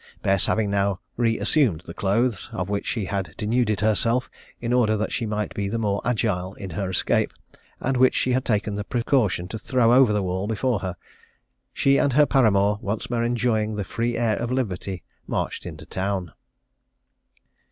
Bess having now re assumed the clothes, of which she had denuded herself, in order that she might be the more agile in her escape, and which she had taken the precaution to throw over the wall before her, she and her paramour, once more enjoying the free air of liberty, marched into town.